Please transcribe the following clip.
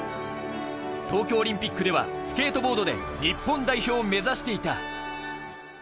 東京オリンピックではスケートボードで日本代表を目指していた。